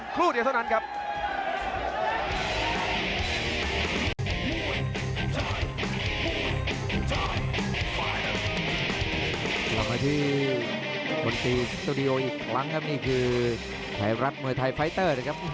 กลับมาที่บนตีสตูดิโออีกครั้งครับนี่คือไทรรัฐมือไทยไฟเตอร์นะครับ